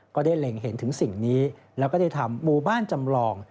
เล็งเห็นถึงสิ่งนี้แล้วก็ได้ทำหมู่บ้านจำลอง